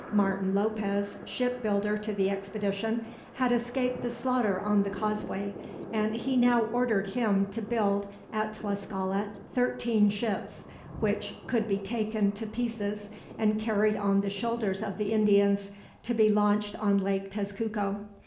Martin Lopez, ship builder to the expedition, had escaped the slaughter on the causeway; and he now ordered him to build at Tlascala thirteen ships, which could be taken to pieces and carried on the shoulders of the Indians, to be launched on Lake Tezcuco.